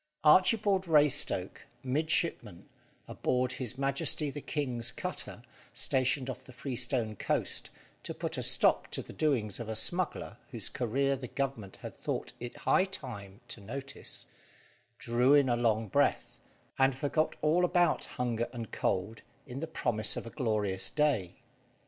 Archibald Raystoke midshipman aboard His Majesty the king's cutter, stationed off the Freestone coast, to put a stop to the doings of a smuggler whose career the Government had thought it high time to notice drew in a long breath, and forgot all about hunger and cold in the promise of a glorious day.